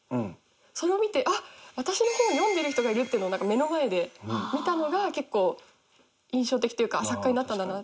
それを見てあっ私の本を読んでる人がいるっていうのを目の前で見たのが結構印象的というか作家になったんだな。